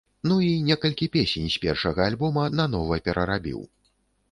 Ну, і некалькі песень з першага альбома нанова перарабіў.